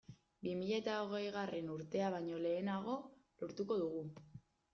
Bi mila eta hogeigarren urtea baino lehenago lortuko dugu.